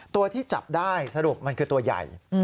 ตัวที่จับได้สรุปมันคือตัวใหญ่